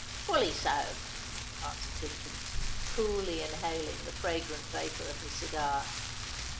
"Fully so," answered Tidkins, coolly inhaling the fragrant vapour of his cigar.